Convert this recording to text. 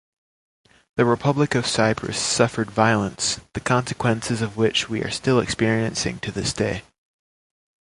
The Republic of Cyprus suffered violence, the consequences of which we are still experiencing to this day.